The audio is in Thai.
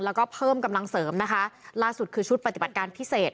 แล้วก็เพิ่มกำลังเสริมนะคะล่าสุดคือชุดปฏิบัติการพิเศษ